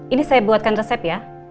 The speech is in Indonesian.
ini saya buatkan resep ya